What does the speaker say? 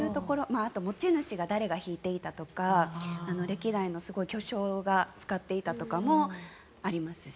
あと持ち主が誰が弾いていたとか歴代の巨匠が使っていたとかもありますし。